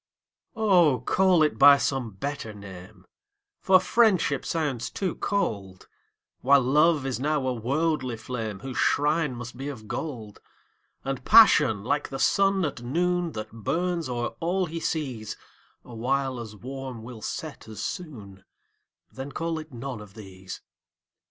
Oh, call it by some better name, For Friendship sounds too cold, While Love is now a worldly flame, Whose shrine must be of gold: And Passion, like the sun at noon, That burns o'er all he sees, Awhile as warm will set as soon Then call it none of these.